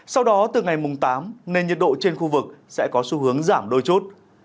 sau đó từ ngày mùng tám nên nhiệt độ trên khu vực sẽ có xu hướng giảm đôi chút